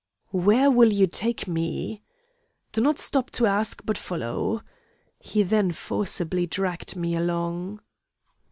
"'Where will you take me?' "'Do not stop to ask, but follow.' He then forcibly dragged me along.